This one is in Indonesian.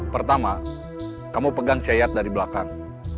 pertama kamu pegang si yayat dari belakang